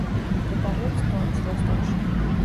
მდებარეობს დონის როსტოვში.